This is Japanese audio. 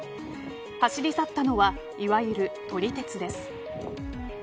走り去ったのはいわゆる撮り鉄です。